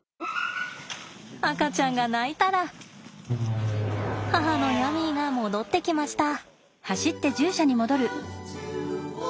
赤ちゃんが鳴いたら母のヤミーが戻ってきました。